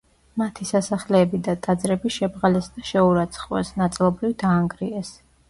მათი სასახლეები და ტაძრები შებღალეს და შეურაცხყვეს, ნაწილობრივ დაანგრიეს.